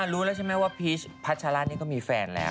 รู้แล้วใช่ไหมว่าพีชพัชราชนี่ก็มีแฟนแล้ว